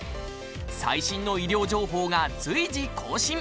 最新の医療情報が随時更新。